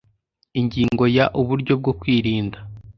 Ingingo ya Uburyo bwo kwirinda